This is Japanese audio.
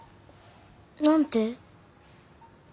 何て？